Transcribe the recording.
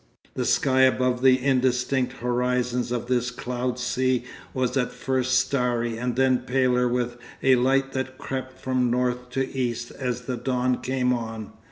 The sky above the indistinct horizons of this cloud sea was at first starry and then paler with a light that crept from north to east as the dawn came on.